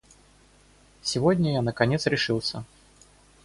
Сегодня я наконец решился.